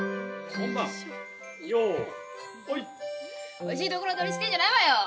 おいしいところ取りしてんじゃないわよ！